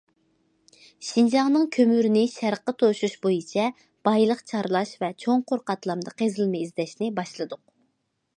‹‹ شىنجاڭنىڭ كۆمۈرىنى شەرققە توشۇش›› بويىچە بايلىق چارلاش ۋە چوڭقۇر قاتلامدا قېزىلما ئىزدەشنى باشلىدۇق.